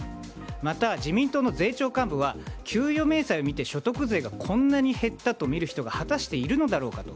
また、自民党の税調幹部は給与明細を見て所得税がこんなに減ったと見る人が果たしているのだろうかと。